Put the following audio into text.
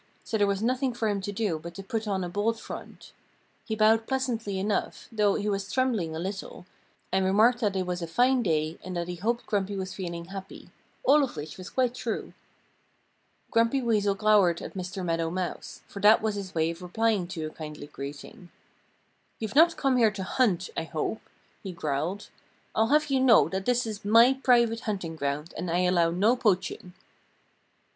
So there was nothing for him to do but to put on a bold front. He bowed pleasantly enough, though he was trembling a little, and remarked that it was a fine day and that he hoped Grumpy was feeling happy all of which was quite true. Grumpy Weasel glowered at Mr. Meadow Mouse, for that was his way of replying to a kindly greeting. "You've not come here to hunt, I hope," he growled. "I'll have you know that this is my private hunting ground and I allow no poaching."